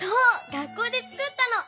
学校でつくったの。